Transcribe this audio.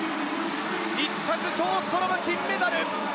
１着、ショーストロム金メダル。